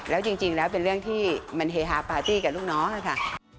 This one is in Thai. แล้วจริงแล้วเป็นเรื่องที่มันเฮฮาปาร์ตี้กับลูกน้องค่ะ